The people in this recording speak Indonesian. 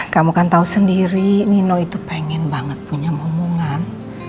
kamu kan tahu sendiri nino itu pengen banget punya omongan